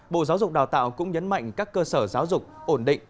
bộ giáo dục đào tạo cũng nhấn mạnh các cơ sở giáo dục ổn định